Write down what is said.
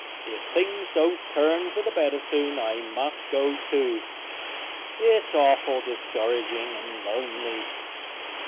If things don't turn for the better soon I must go, too. It's awful discouraging. And lonely!